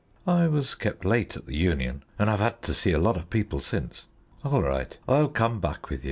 "I was kept late at the Union, and I've had to see a lot of people since. All right, I'll come back with ye."